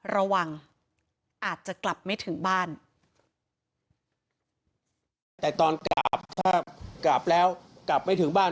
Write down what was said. ระวังอาจจะกลับไม่ถึงบ้าน